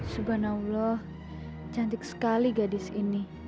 subhanallah cantik sekali gadis ini